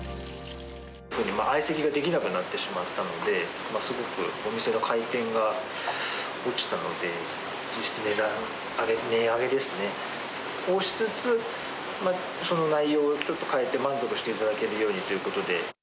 相席ができなくなってしまったので、すごくお店の回転が落ちたので、実質、値上げですね。をしつつ、その内容をちょっと変えて、満足していただけるようにということで。